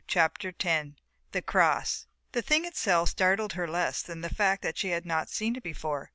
CHAPTER X THE CROSS The thing itself startled her less than the fact that she had not seen it before.